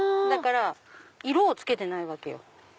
だから色を付けてないわけよ。